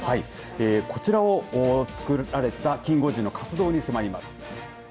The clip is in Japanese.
こちらを作られたキンゴジンの活動に迫ります。